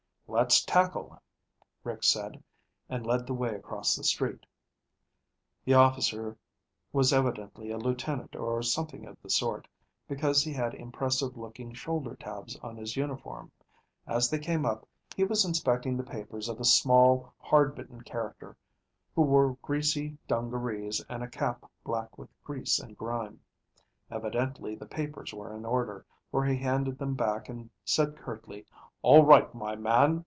"Let's tackle him," Rick said, and led the way across the street. The officer was evidently a lieutenant or something of the sort, because he had impressive looking shoulder tabs on his uniform. As they came up, he was inspecting the papers of a small, hard bitten character who wore greasy dungarees and a cap black with grease and grime. Evidently the papers were in order, for he handed them back and said curtly, "All right, my man.